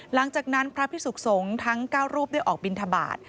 หลังจากนั้นพระพิสุขสงฆ์ทั้ง๙รูปได้ออกบินทบาท